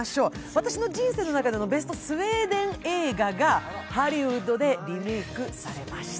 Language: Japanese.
私の人生の中でのベストスウェーデン映画がハリウッドでリメイクされました。